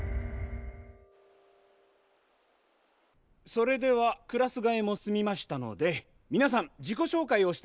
それではクラスがえも済みましたのでみなさん自己紹介をしてもらいます。